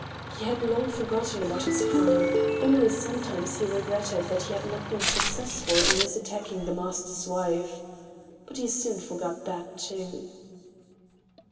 He had long forgotten about his crime, only sometimes he regretted that he had not been successful in attacking his master's wife. But he soon forgot that, too.